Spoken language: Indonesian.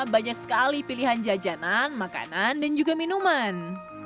banyak sekali pilihan jajanan makanan dan juga minuman